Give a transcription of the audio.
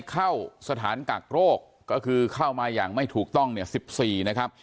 เข้าสถานกักโรคก็คือเข้ามาอย่างไม่ถูกต้องเนี่ย๑๔นะครับ